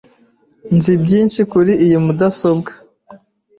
Nzi byinshi kuri iyi mudasobwa.